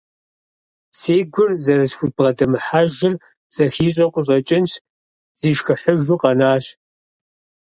Си гур зэрысхубгъэдэмыхьэжыр зэхищӏэу къыщӏэкӏынщ, зишхыхьыжу къэнащ.